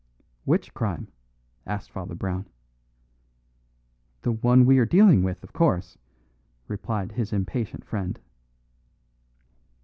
"Which crime?" asked Father Brown. "The one we are dealing with, of course," replied his impatient friend.